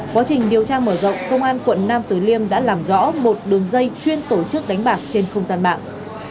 quá trình điều tra mở rộng công an quận nam tử liêm đã làm rõ một đường dây chuyên tổ chức đánh bạc trên không gian mạng